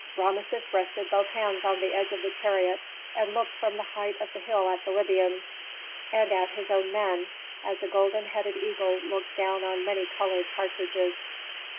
Rameses rested both hands on the edge of the chariot and looked from the height of the hill at the Libyans, and at his own men, as a golden headed eagle looks down on many colored partridges.